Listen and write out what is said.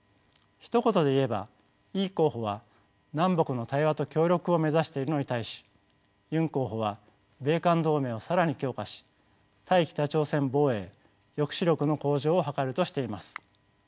ひと言で言えばイ候補は南北の対話と協力を目指しているのに対しユン候補は米韓同盟を更に強化し対北朝鮮防衛抑止力の向上を図るとしています。